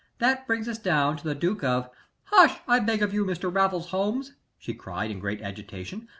That brings us down to the Duke of " "'Hush! I beg of you, Mr. Raffles Holmes!' she cried, in great agitation.